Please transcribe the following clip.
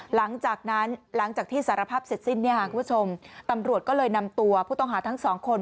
หลังจากที่สารภาพเสร็จสิ้นคุณผู้ชมตำรวจก็เลยนำตัวผู้ต้องหาทั้งสองคน